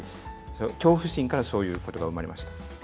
恐怖心からそういうことが生まれました。